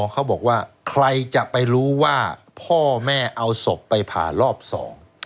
เขาบอกว่าใครจะไปรู้ว่าพ่อแม่เอาศพไปผ่ารอบสอง